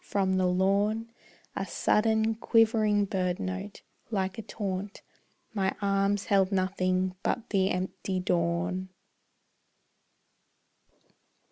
From the lawn A sudden, quivering birdnote, like a taunt. My arms held nothing but the empty dawn.